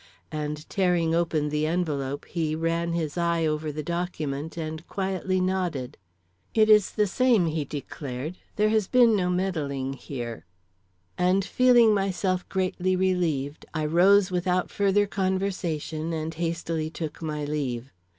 And tearing open the envelope, he ran his eye over the document and quietly nodded. "It is the same," he declared. "There has been no meddling here." And feeling myself greatly relieved, I rose without further conversation and hastily took my leave.